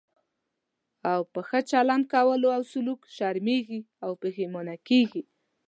او په ښه چلند کولو او سلوک شرمېږي او پښېمانه کېږي.